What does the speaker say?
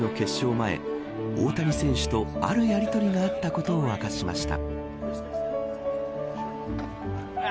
前大谷選手と、あるやりとりがあったことを明かしました。